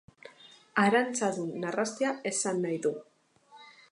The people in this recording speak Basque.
Arantzadun narrastia esan nahi du.